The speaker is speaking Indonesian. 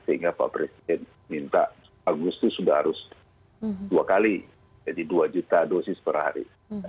sehingga pak presiden minta agustus sudah harus dua kali jadi dua juta dosis per hari